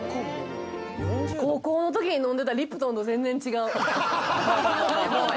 高校のときに飲んでたリプトンと全然違う。